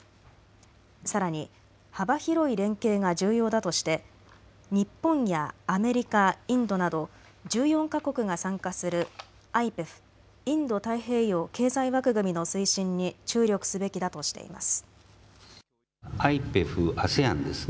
さらに幅広い連携が重要だとして日本やアメリカ、インドなど１４か国が参加するＩＰＥＦ・インド太平洋経済枠組みの推進に注力すべきだとしています。